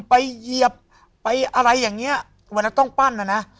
เหยียบไปอะไรอย่างเงี้ยเวลาต้องปั้นนะนะ